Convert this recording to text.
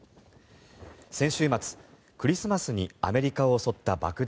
先週末、クリスマスにアメリカを襲った爆弾